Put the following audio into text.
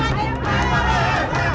tepuk tangan tepuk tangan